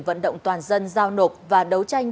vận động toàn dân giao nộp và đấu tranh